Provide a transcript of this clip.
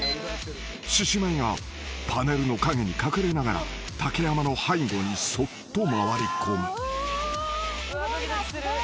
［獅子舞がパネルの陰に隠れながら竹山の背後にそっと回り込む］